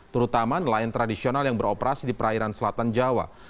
terutama nelayan tradisional yang beroperasi di perairan selatan jawa